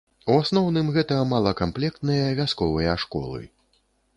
У асноўным, гэта малакамплектныя вясковыя школы.